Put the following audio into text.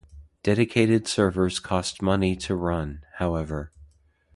Dedicated servers cost money to run, however.